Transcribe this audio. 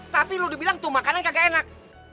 tapi lo dibilang tuh makanan kagak enak